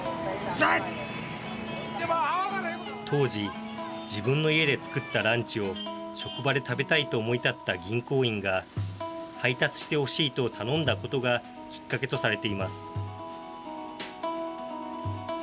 当時、自分の家で作ったランチを職場で食べたいと思いたった銀行員が配達してほしいと頼んだことがきっかけとされています。